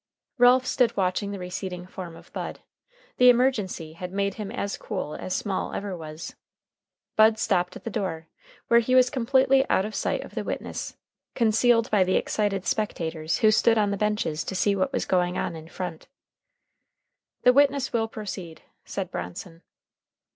Ralph stood watching the receding form of Bud. The emergency had made him as cool as Small ever was. Bud stopped at the door, where he was completely out of sight of the witness, concealed by the excited spectators, who stood on the benches to see what was going on in front. "The witness will please proceed," said Bronson.